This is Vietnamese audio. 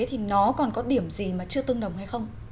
thì nó còn có điểm gì mà chưa tương đồng hay không